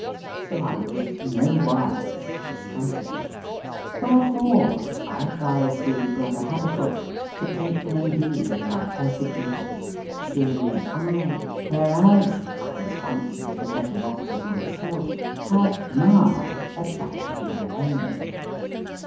So I was nowise discomfited ; wherefore I advise Ihee, Brother Habakkuk, to take no heed of thy perse cutors, seeing that I, whereas I was once little better off than thyself, have now a chapel of mine own.